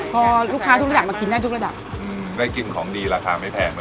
พอลูกค้าทุกระดับมากินได้ทุกระดับอืมได้กินของดีราคาไม่แพงนะ